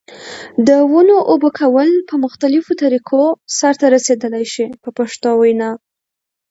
د ونو اوبه کول په مختلفو طریقو سرته رسیدلای شي په پښتو وینا.